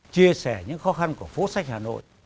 chia sẻ những khó khăn của phố sách hà nội